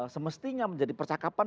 semestinya menjadi percakapan